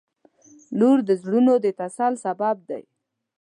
• لور د زړونو د تسل سبب دی.